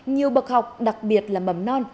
nhiều bậc học đặc biệt là mầm non